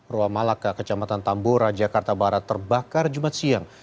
ruamalaka kecamatan tambora jakarta barat terbakar jumat siang